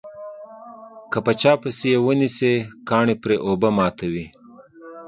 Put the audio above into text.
که په چا پسې یې ونسي کاڼي پرې اوبه ماتوي.